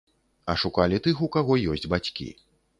А шукалі тых, у каго ёсць бацькі.